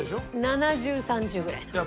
７０３０ぐらいなの。